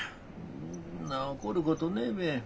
そんな怒ることねえべ。